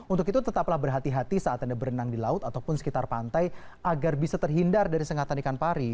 untuk itu tetaplah berhati hati saat anda berenang di laut ataupun sekitar pantai agar bisa terhindar dari sengatan ikan pari